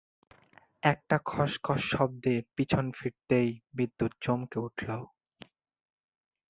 একটা খসখস শব্দে পিছন ফিরতেই বিদ্যুৎ চমকে উঠলো